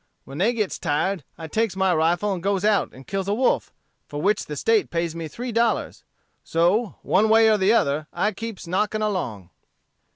When they gets tired, I takes my rifle and goes out and kills a wolf, for which the State pays me three dollars. So one way or other I keeps knocking along."